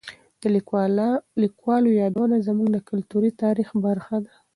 د لیکوالو یادونه زموږ د کلتوري تاریخ برخه ده.